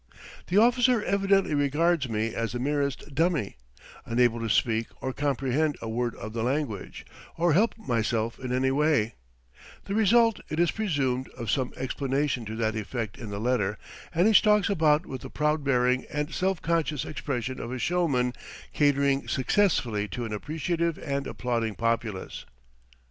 The officer evidently regards me as the merest dummy, unable to speak or comprehend a word of the language, or help myself in any way the result, it is presumed, of some explanation to that effect in the letter and he stalks about with the proud bearing and self conscious expression of a showman catering successfully to an appreciative and applauding populace.